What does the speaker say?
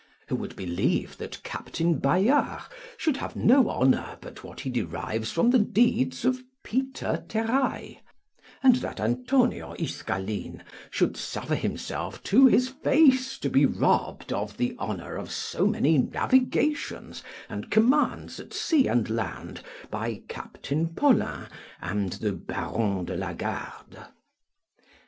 Who would believe that Captain Bayard should have no honour but what he derives from the deeds of Peter Terrail; and that Antonio Iscalin should suffer himself to his face to be robbed of the honour of so many navigations and commands at sea and land by Captain Paulin and the Baron de la Garde?